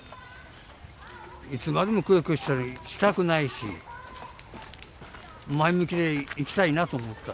いつまでもくよくよしたくないし前向きでいきたいなと思った。